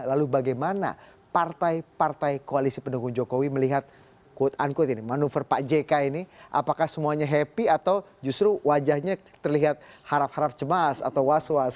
lalu bagaimana partai partai koalisi pendukung jokowi melihat quote unquote ini manuver pak jk ini apakah semuanya happy atau justru wajahnya terlihat harap harap cemas atau was was